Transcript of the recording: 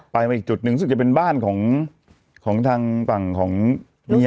ไปมาอีกจุดหนึ่งซึ่งจะเป็นบ้านของทางฝั่งของเมีย